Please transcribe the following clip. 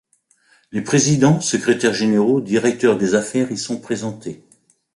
Les présidents, secrétaires généraux, directeurs des affaires y sont présentés.